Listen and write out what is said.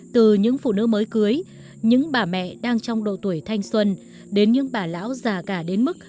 từ những phụ nữ mới cưới những bà mẹ đang trong độ tuổi thanh xuân đến những bà lão già cả đến mức